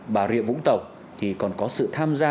bà rịa vũng tàu thì còn có sự tham gia